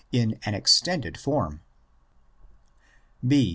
28 in an extended form. B.